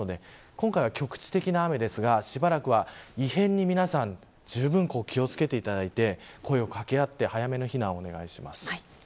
今回は局地的な雨ですがしばらくは異変に皆さんじゅうぶん気を付けていただいて声を掛け合って早めの避難をお願いします。